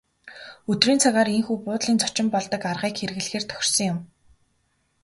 Өдрийн цагаар ийнхүү буудлын зочин болдог аргыг хэрэглэхээр тохирсон юм.